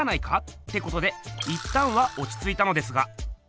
ってことでいったんはおちついたのですが。